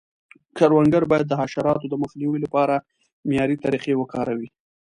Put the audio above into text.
کروندګر باید د حشراتو د مخنیوي لپاره معیاري طریقې وکاروي.